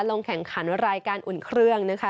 ลงแข่งขันรายการอุ่นเครื่องนะคะ